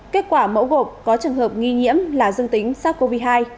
kết quả mẫu gộp có trường hợp nghi nhiễm là dương tính sars cov hai